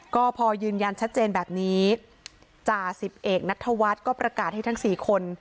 ก็พอยืนยันชัดเจนแบบนี้จ่าสิบเอกนัทธวัฒน์ก็ประกาศให้ทั้ง๔คน